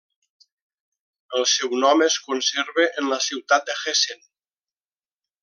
El seu nom es conserva en la ciutat de Hessen.